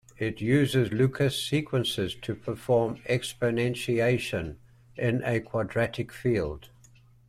It uses Lucas sequences to perform exponentiation in a quadratic field.